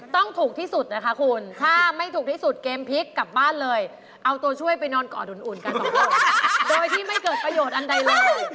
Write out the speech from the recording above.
ต้องถูกที่สุดนะคะคุณถ้าไม่ถูกที่สุดเกมพลิกกลับบ้านเลยเอาตัวช่วยไปนอนกอดอุ่นกันสองคนโดยที่ไม่เกิดประโยชน์อันใดเลย